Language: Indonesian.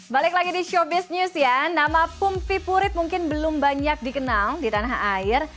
balik lagi di showbiz news ya nama pum vipurit mungkin belum banyak dikenal di tanah air